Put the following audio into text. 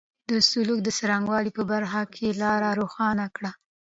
د سلوک د څرنګه والي په برخه کې لاره روښانه کړه.